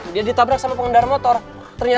masih kamu baik banget sih